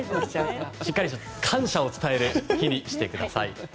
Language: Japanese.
感謝を伝える日にしてください。